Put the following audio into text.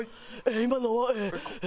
今のはええ。